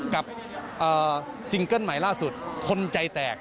ซิงเกิ้ลใหม่ล่าสุดคนใจแตก